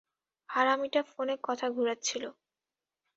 হারামিটা ফোনে কথা ঘুরাচ্ছিল।